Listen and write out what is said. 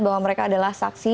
bahwa mereka adalah saksi